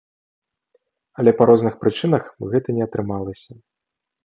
Але па розных прычынах гэта не атрымалася.